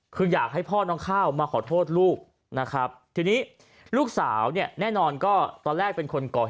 คืออยากให้พ่อน้องข้าวมาขอโทษลูกนะครับทีนี้ลูกสาวเนี่ยแน่นอนก็ตอนแรกเป็นคนก่อเหตุ